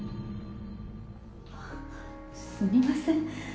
あすみません